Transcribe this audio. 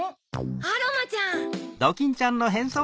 アロマちゃん！